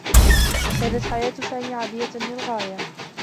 كانت حياة سامي عاديّة للغاية.